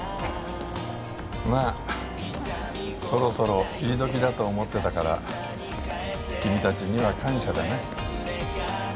まあそろそろ切りどきだと思ってたから君達には感謝だな